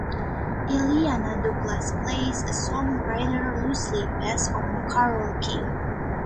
Illeana Douglas plays a songwriter loosely based on Carole King.